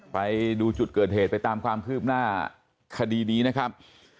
ไปดูจุดเกิดเหตุไปตามความคืบหน้าคดีนี้นะครับ